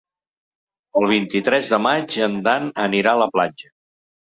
El vint-i-tres de maig en Dan anirà a la platja.